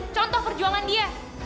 contoh perjuangan dia